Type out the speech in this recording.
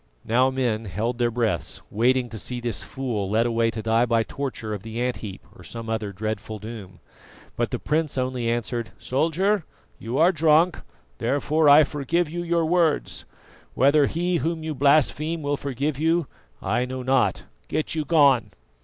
Now men held their breaths, waiting to see this fool led away to die by torture of the ant heap or some other dreadful doom. But the prince only answered: "Soldier, you are drunk, therefore I forgive you your words. Whether He Whom you blaspheme will forgive you, I know not. Get you gone!"